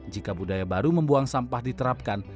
jika budaya baru membuang sampah diterapkan